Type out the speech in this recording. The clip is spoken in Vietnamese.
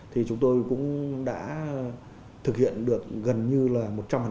thì chúng tôi cũng đã thực hiện được gần như là một trăm linh